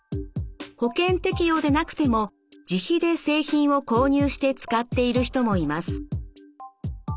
保険適用でなくても自費で製品を購入して使っている人もいます。